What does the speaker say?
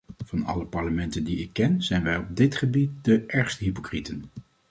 Van alle parlementen die ik ken, zijn wij op dit gebied de ergste hypocrieten.